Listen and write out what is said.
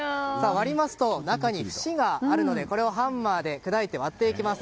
割りますと、中に節があるのでこれをハンマーで砕いて割っていきます。